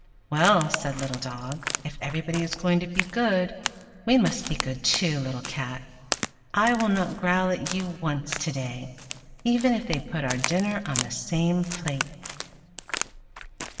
"Well," said Little Dog; "if everybody is going to be good we must be good, too. Little Cat, I will not growl at you once to day, even if they put our dinner on the same plate!"